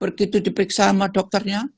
begitu diperiksa sama dokternya